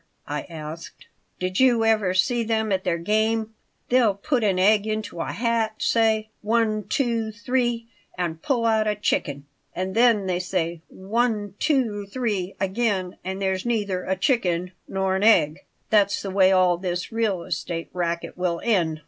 I asked "Did you ever see them at their game? They'll put an egg into a hat; say, 'One, two, three,' and pull out a chicken. And then they say, 'One, two, three,' again and there's neither a chicken nor an egg. That's the way all this real estate racket will end.